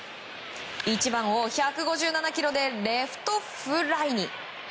１番を１５７キロでレフトフライに。